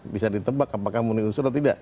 bisa ditebak apakah memenuhi unsur atau tidak